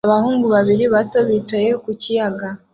Abahungu babiri bato bicaye ku kiyaga